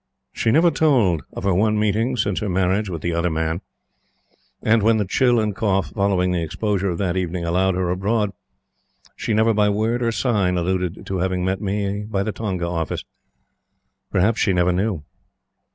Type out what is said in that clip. She never told of her one meeting, since her marriage, with the Other Man; and, when the chill and cough following the exposure of that evening, allowed her abroad, she never by word or sign alluded to having met me by the Tonga Office. Perhaps she never knew.